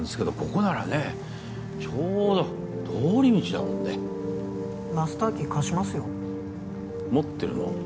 ここならねちょうど通り道だもんねマスターキー貸しますよ持ってるの？